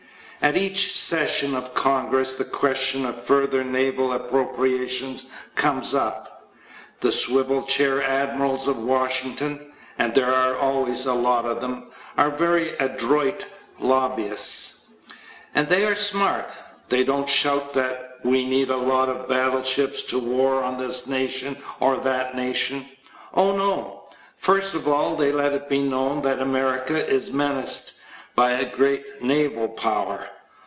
At each session of Congress the question of further naval appropriations comes up. The swivel chair admirals of Washington (and there are always a lot of them) are very adroit lobbyists. And they are smart. They don't shout that "We need a lot of battleships to war on this nation or that nation." Oh no. First of all, they let it be known that America is menaced by a great naval power.